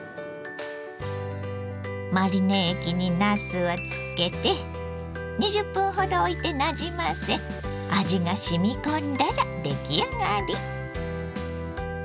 マリネ液になすをつけて２０分ほどおいてなじませ味がしみこんだら出来上がり。